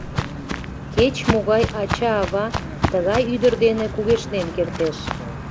Кеч-могай ача-ава тыгай ӱдыр дене кугешнен кертеш.